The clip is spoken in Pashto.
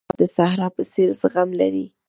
هېواد د صحرا په څېر زغم لري.